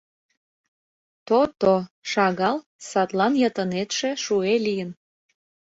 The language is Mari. — То-то, шагал, садлан йытынетше шуэ лийын.